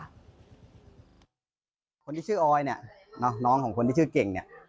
คนที่ชื่อออยเนี่ยน้องของคนที่ชื่อเก่งเนี่ย